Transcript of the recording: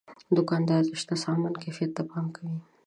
دوکاندار د شته سامان کیفیت ته پام کوي.